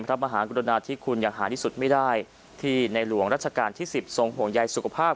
เพื่อให้วันที่๙เนี่ยเราปั่นกับในหลวงได้อย่างเต็มที่ค่ะ